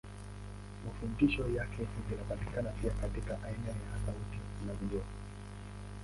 Mafundisho yake zinapatikana pia katika aina ya sauti na video.